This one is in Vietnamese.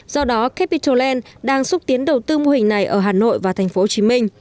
do đó capital land đang xúc tiến đầu tư mô hình này ở hà nội và tp hcm